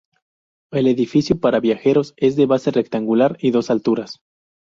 El edificio para viajeros es de base rectangular y dos alturas.